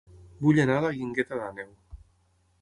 Vull anar a La Guingueta d'Àneu